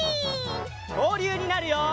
きょうりゅうになるよ！